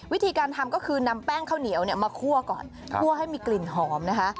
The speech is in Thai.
วิธีการทำก็คือนำแป้งข้าวเหนียวมาคั่วก่อนคั่วให้มีกลิ่นหอมนะคะ